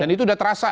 dan itu sudah terasa